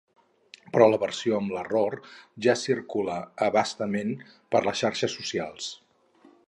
Però la versió amb l’error ja circula a bastament per les xarxes socials.